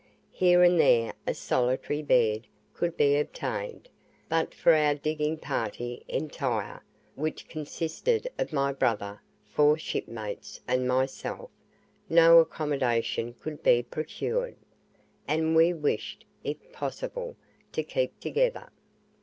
Here and there a solitary bed could be obtained, but for our digging party entire, which consisted of my brother, four shipmates, and myself, no accommodation could be procured, and we wished, if possible, to keep together.